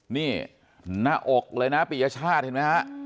นี่หน้าอกเลยนะปียชาติเห็นไหมฮะ